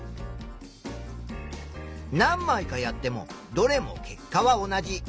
何まいかやってもどれも結果は同じ。